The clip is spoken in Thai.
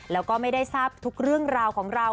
แล้วก็ไม่ได้ทราบทุกเรื่องราวของเรา